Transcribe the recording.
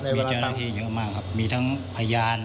มีเจ้าหน้าที่เยอะมากครับมีทั้งพยาน